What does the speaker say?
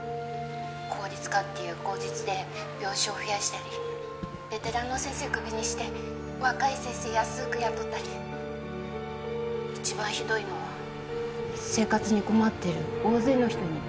効率化っていう口実で病床を増やしたりベテランの先生をクビにして若い先生安く雇ったり一番ひどいのは生活に困ってる大勢の人に